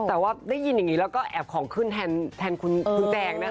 แต่ว่าได้ยินอย่างนี้แล้วก็แอบของขึ้นแทนคุณแจงนะคะ